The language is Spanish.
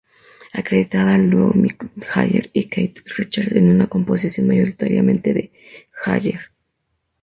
Acreditada al dúo Mick Jagger y Keith Richards, es una composición mayoritariamente de Jagger.